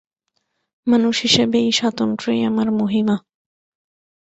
মানুষ হিসাবে এই স্বাতন্ত্র্যই আমার মহিমা।